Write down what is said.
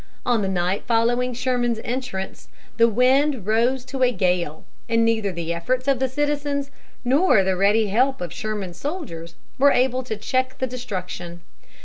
On the night following Sherman's entrance the wind rose to a gale, and neither the efforts of the citizens, nor the ready help of Sherman's soldiers were able to check the destruction.